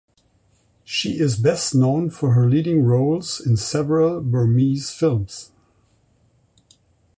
She is best known for her leading roles in several Burmese films.